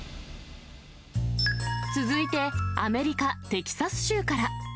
続いて、アメリカ・テキサス州から。